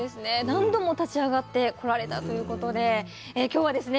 何度も立ち上がってこられたということで今日はですね